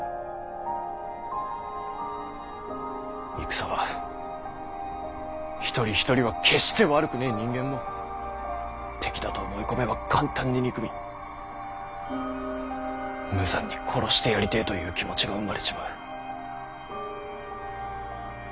戦は一人一人は決して悪くねぇ人間も敵だと思い込めば簡単に憎み無残に殺してやりてぇという気持ちが生まれちまう。